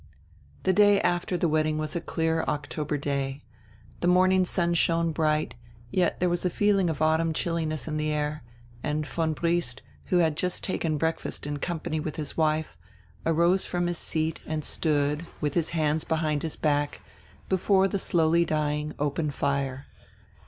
The day after the wedding was a clear October day. The morning sun shone bright, yet there was a feeling of autumn chilliness in the air, and von Briest, who had just taken breakfast in company with his wife, arose from his seat and stood, with his hands behind his back, before the slowly dying open fire.